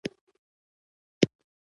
د یوې ټولنې اقتصاد په پانګونې ولاړ دی.